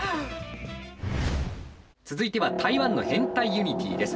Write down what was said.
続いては台湾のヘンタイ・ユニティーです。